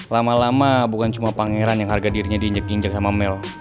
lama lama bukan cuma pangeran yang harga dirinya diinjak injak sama mel